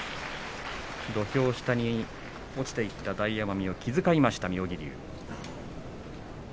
土俵下に落ちていった大奄美を気遣いました妙義龍。